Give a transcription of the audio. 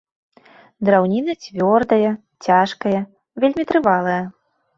Драўніна цвёрдая, цяжкая, вельмі трывалая.